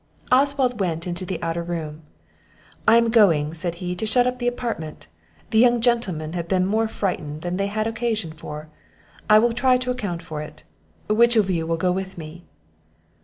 Oswald went into the outward room. "I am going," said he, "to shut up the apartment. The young gentlemen have been more frightened than they had occasion for; I will try to account for it. Which of you will go with me?"